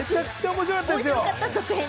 めちゃくちゃ面白かったよ。